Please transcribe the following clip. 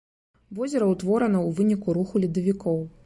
Возера ўтворана ў выніку руху ледавікоў.